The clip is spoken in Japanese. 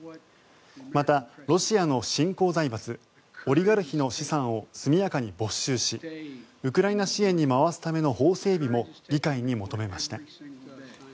また、ロシアの新興財閥オリガルヒの資産を速やかに没収しウクライナ支援に回すための法整備も議会に求めました。